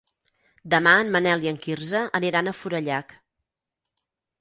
Demà en Manel i en Quirze aniran a Forallac.